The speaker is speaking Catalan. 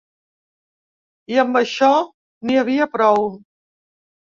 I amb això, n’hi havia prou.